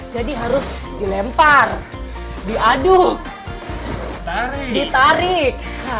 jadi harus dilempar diaduk ditarik